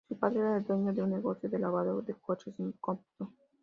Su padre era el dueño de un negocio de lavado de coches en Compton.